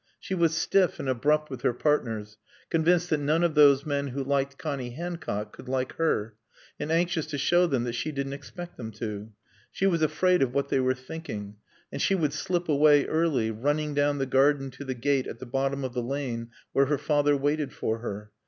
She was stiff and abrupt with her partners, convinced that none of those men who liked Connie Hancock could like her, and anxious to show them that she didn't expect them to. She was afraid of what they were thinking. And she would slip away early, running down the garden to the gate at the bottom of the lane where her father waited for her.